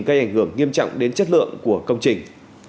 gây ảnh hưởng nghiêm trọng đến chất lượng của công trình